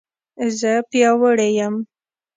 زه پیاوړې یم